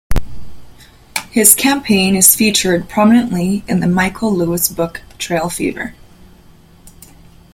His campaign is featured prominently in the Michael Lewis book "Trail Fever".